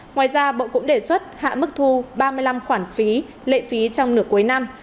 ngoài ra bộ cũng đề xuất hạ mức thu ba mươi năm khoản phí lệ phí trong nửa cuối năm